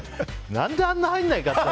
何であんな入らないかなって。